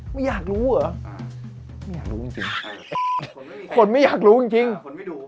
ไม่อยากรู้เหรอไม่อยากรู้จริงคนไม่อยากรู้จริงจริงคนไม่ดู